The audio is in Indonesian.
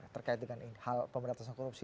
terkait dengan hal pemberantasan korupsi